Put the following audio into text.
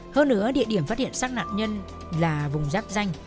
thua nữa địa điểm phát hiện xác nạn nhân là vùng rác ranh